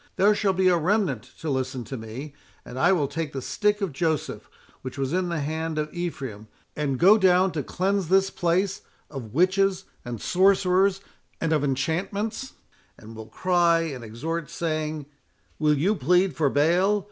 There shall be a remnant to listen to me; and I will take the stick of Joseph, which was in the hand of Ephraim, and go down to cleanse this place of witches and sorcerers, and of enchantments, and will cry and exhort, saying—Will you plead for Baal?